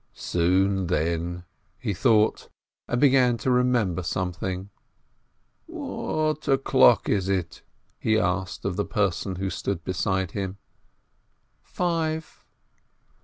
"Soon, then," he thought, and began to remember something. "What o'clock is it?" he asked of the person who stood beside him. "Five."